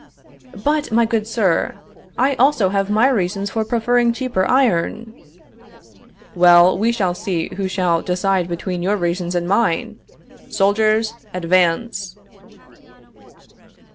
"But, my good sir, I also have my reasons for preferring cheaper iron." "Well, we shall see who shall decide between your reasons and mine! Soldiers, advance!"